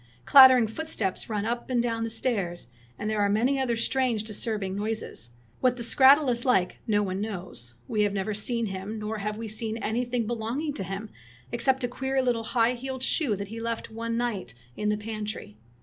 Clattering footsteps run up and down the stairs and there are many other strange disturbing noises. "What the skrattel is like no one knows. We have never seen him, nor have we seen anything belonging to him, except a queer little high heeled shoe that he left one night 18 Fairy Tale Bears in the pantry.